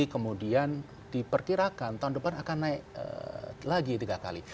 kemudian diperkirakan tahun depan akan naik lagi tiga kali